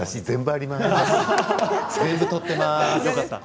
全部取ってます。